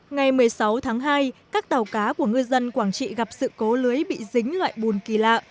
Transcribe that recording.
ngày một mươi sáu tháng hai các tàu cá của ngư dân quảng trị gặp sự cố lưới bị dính loại bùn kỳ lạ